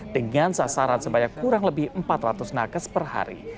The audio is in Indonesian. dengan sasaran sebanyak kurang lebih empat ratus nakes per hari